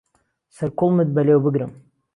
سهر کوڵمت به لێو بگرم